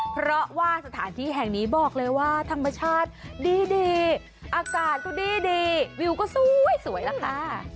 เพราะว่าสถานที่แห่งนี้บอกเลยว่าธรรมชาติดีอากาศก็ดีวิวก็สวยล่ะค่ะ